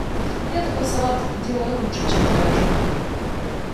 Я такой салат делаю лучше, чем твоя жена.